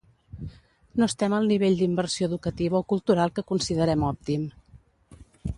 No estem al nivell d’inversió educativa o cultural que considerem òptim.